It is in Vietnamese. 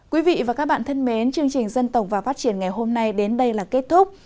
quý vị và các bạn thân mến chương trình dân tộc và phát triển ngày hôm nay đến đây là kết thúc